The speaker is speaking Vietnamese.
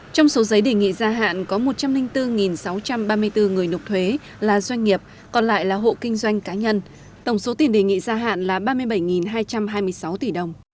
trong số giấy đề nghị gia hạn có một trăm linh bốn sáu trăm ba mươi bốn người nộp thuế là doanh nghiệp còn lại là hộ kinh doanh cá nhân tổng số tiền đề nghị gia hạn là ba mươi bảy hai trăm hai mươi sáu tỷ đồng